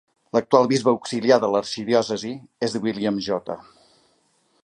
L'actual bisbe auxiliar de l'arxidiòcesi és William J.